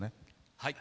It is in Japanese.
はい。